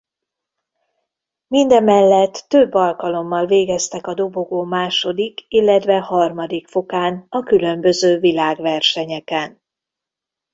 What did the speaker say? Mindemellett több alkalommal végeztek a dobogó második illetve harmadik fokán a különböző világversenyeken.